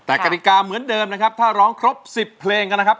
แต่กฎิกาเหมือนเดิมนะครับถ้าร้องครบ๑๐เพลงกันนะครับ